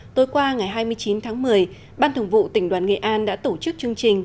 tối qua ngày hai mươi chín tháng một mươi ban thường vụ tỉnh đoàn nghệ an đã tổ chức chương trình